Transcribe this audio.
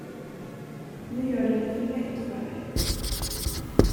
Nu gör du det för lätt för dig.